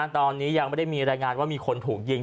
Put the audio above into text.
ตอนนี้ยังไม่ได้มีรายงานว่ามีคนถูกยิง